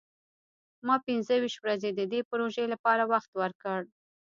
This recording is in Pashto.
ما پنځه ویشت ورځې د دې پروژې لپاره وخت ورکړ.